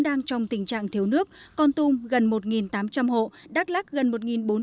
đang trong tình trạng thiếu nước con tum gần một tám trăm linh hộ đắk lắc gần một bốn trăm linh